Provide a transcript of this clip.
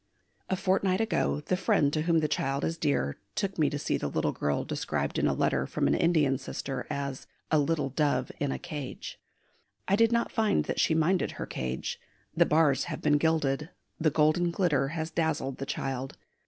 A fortnight ago the friend to whom the child is dear took me to see the little girl described in a letter from an Indian sister as "a little dove in a cage." I did not find that she minded her cage. The bars have been gilded, the golden glitter has dazzled the child.